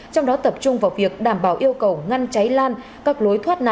trong đó tập trung vào việc đảm bảo yêu cầu ngăn cháy lan các lối thoát nạn